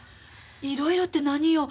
いろいろって何よ？